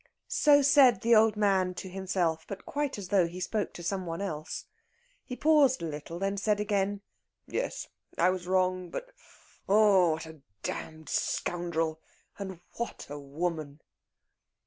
So said the old man to himself, but quite as though he spoke to some one else. He paused a little, then said again: "Yes; I was wrong. But oh, what a damned scoundrel! And what a woman!"